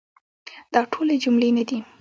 دا ټولي جملې نه دي .